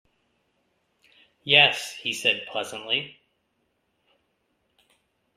"Yes," he said pleasantly.